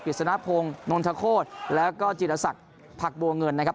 สนพงศ์นนทโคตรแล้วก็จิรศักดิ์ผักบัวเงินนะครับ